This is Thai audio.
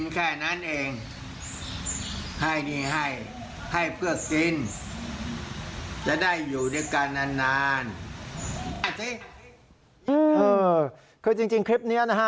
คือจริงคลิปนี้นะฮะ